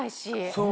そう。